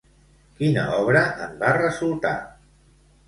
Quina obra en va resultar?